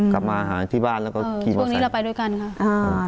กลับมาหาที่บ้านแล้วก็คิดว่าช่วงนี้เราไปด้วยกันค่ะ